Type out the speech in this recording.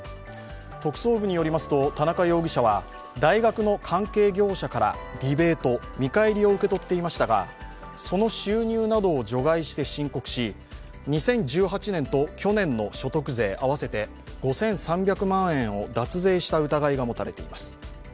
特捜部によりますと田中容疑者は大学の関係業者からリベート、見返りを受け取っていましたが、その収入などを除外して申告し２０１８年と去年の所得税合わせて５３００万円を脱税した疑いが持たれています。